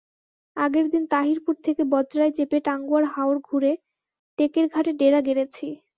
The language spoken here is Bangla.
আগের দিন তাহিরপুর থেকে বজরায় চেপে টাঙ্গুয়ার হাওর ঘুরে টেকেরঘাটে ডেরা গেড়েছি।